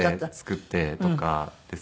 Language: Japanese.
作ってとかですかね。